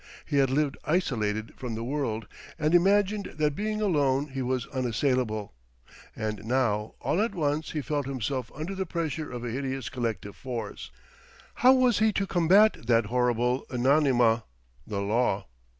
He had lived isolated from the world, and imagined that being alone he was unassailable; and now all at once he felt himself under the pressure of a hideous collective force. How was he to combat that horrible anonyma, the law?